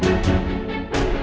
masa nordin gak percaya